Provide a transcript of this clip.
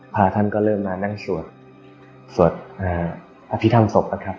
พระท่านก็เริ่มมานั่งสวดสวดอภิษฐรรมศพนะครับ